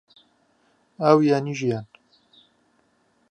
ئاو یانی ژیان